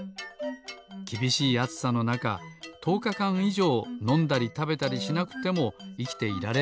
きびしいあつさのなかとおかかんいじょうのんだりたべたりしなくてもいきていられるんですって。